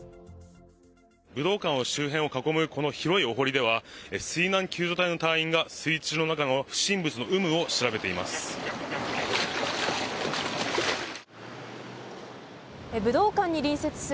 武道館周辺を囲むこの広いお濠では水難救助隊の隊員が水中の中の不審物の有無を調べています。